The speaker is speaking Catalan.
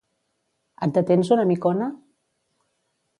Et detens una micona?